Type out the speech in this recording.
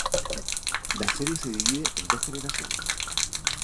La serie se divide en dos generaciones.